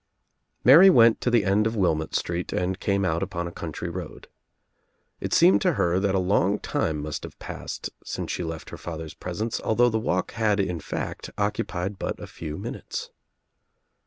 Mary went to the end of Wilmott Street and came out upon a country road. It seemed to her that a long time must have passed since she left her father's presence although the walk had in fact occupied but a few minutes.